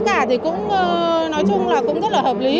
cả thì cũng nói chung là cũng rất là hợp lý